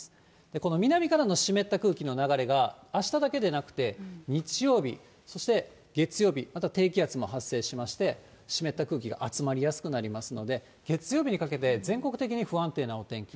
この南からの湿った空気の流れが、あしただけでなくて、日曜日、そして月曜日、また低気圧も発生しまして、湿った空気が集まりやすくなりますので、月曜日にかけて全国的に不安定なお天気。